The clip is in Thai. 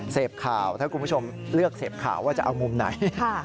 เสพข่าวถ้าคุณผู้ชมเลือกเสพข่าวว่าจะเอามุมไหน